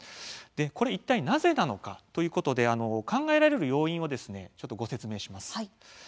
これはいったい、なぜなのかということで考えられる要因をご説明します。